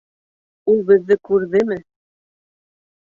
— Ул беҙҙе күрҙеме?